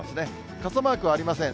傘マークはありません。